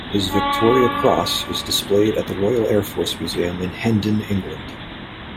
His Victoria Cross is displayed at the Royal Air Force Museum in Hendon, England.